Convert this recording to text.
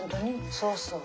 そうそう。